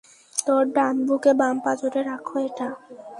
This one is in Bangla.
তো ডান বুকে, বাম পাঁজরে রাখো এটা।